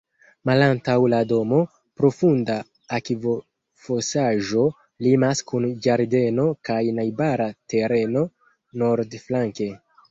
Malantaŭ la domo, profunda akvofosaĵo limas kun ĝardeno kaj najbara tereno nordflanke.